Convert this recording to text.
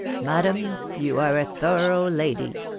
" Madam ! you are a thorough lady